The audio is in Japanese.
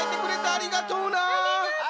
ありがとう。